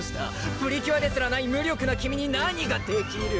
プリキュアですらない無力な君に何ができる！